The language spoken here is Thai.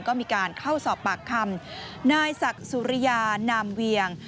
ก็มีการเข้าสอบปากคำนายศักดิ์สุริยานามเวียง